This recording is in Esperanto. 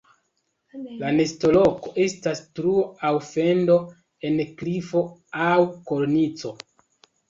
La nestoloko estas truo aŭ fendo en klifo aŭ kornico.